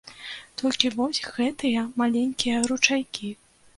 Толькі вось гэтыя маленькія ручайкі.